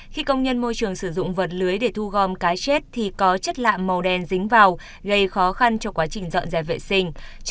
khi công nhân môi trường sử dụng vật lưới để thu gom cá chết thì có chất lạ màu đen dính vào gây khó khăn cho quá trình dọn dẹp vệ sinh